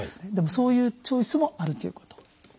でもそういうチョイスもあるということ。